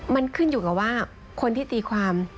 มันขึ้นอยู่กับว่าคนที่ตีความ